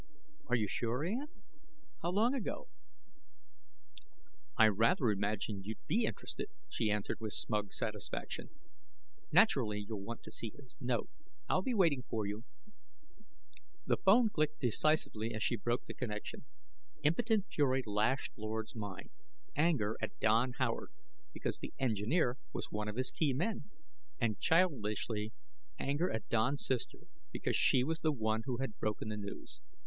"Are you sure, Ann? How long ago?" "I rather imagined you'd be interested," she answered with smug satisfaction. "Naturally you'll want to see his note. I'll be waiting for you." The 'phone clicked decisively as she broke the connection. Impotent fury lashed Lord's mind anger at Don Howard, because the engineer was one of his key men; and, childishly, anger at Don's sister because she was the one who had broken the news.